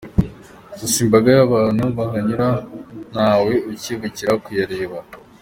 Gusa imbaga y’abantu bahanyura ntawe ukebukira kuyareba.